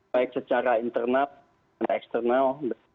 baik secara internal secara eksternal